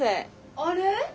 あれ！？